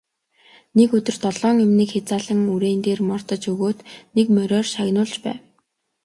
Нэг өдөр долоон эмнэг хязаалан үрээн дээр мордож өгөөд нэг мориор шагнуулж байв.